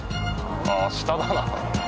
ああ下だな。